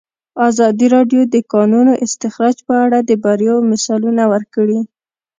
ازادي راډیو د د کانونو استخراج په اړه د بریاوو مثالونه ورکړي.